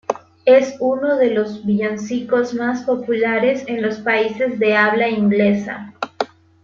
Es uno de los villancicos más populares en los países de habla inglesa.